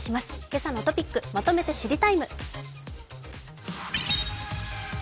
「けさのトピックまとめて知りＴＩＭＥ，」。